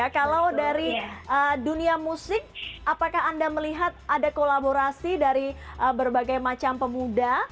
kalau dari dunia musik apakah anda melihat ada kolaborasi dari berbagai macam pemuda